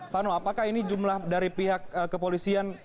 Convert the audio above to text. vano apakah ini jumlah dari pihak kepolisian